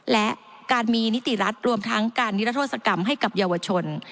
และการมีนิติรัฐรวมทั้งการนิรัทธศกรรมให้กับเยาวชน